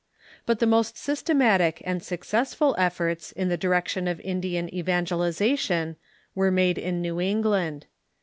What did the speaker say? But the most systematic and successful efforts in the direction of Indian evangelization were made in New England.